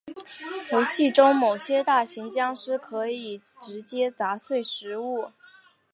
游戏中某些大型僵尸可以直接砸碎植物。